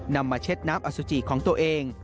นำมาเช็ดน้ำอสุจิของตัวเอง